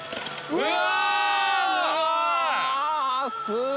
うわ。